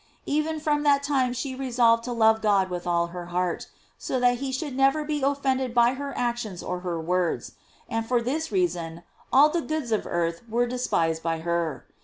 Even from that time she resolved to love God with all her heart, so that he should never be offended by her actions or her words, and for this reason all the goods of earth were despised by her.